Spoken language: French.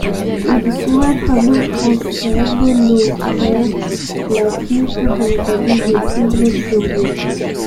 Il souhaite mettre en scène Laurent Lafitte dans un nouveau film sur Zorro.